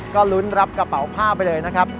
ก็ลุ้นรับกระเป๋าผ้าไปเลยนะครับ